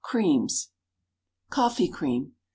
CREAMS. _Coffee Cream.